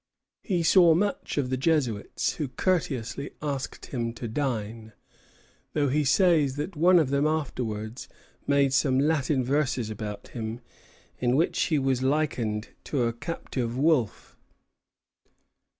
He saw much of the Jesuits, who courteously asked him to dine; though he says that one of them afterwards made some Latin verses about him, in which he was likened to a captive wolf.